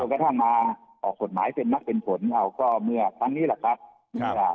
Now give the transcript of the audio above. กระทั่งมาออกกฎหมายเป็นนักเป็นผลเอาก็เมื่อครั้งนี้แหละครับ